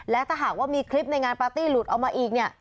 และถ้าหากว่ามีคลิปในงานปาร์ตี้หลุดออกมาอีกเนี่ย